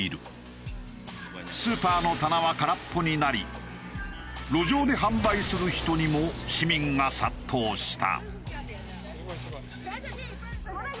スーパーの棚は空っぽになり路上で販売する人にも市民が殺到した。